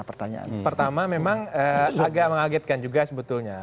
pertama memang agak mengagetkan juga sebetulnya